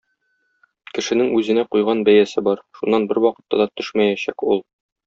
Кешенең үзенә куйган бәясе бар - шуннан бервакытта да төшмәячәк ул!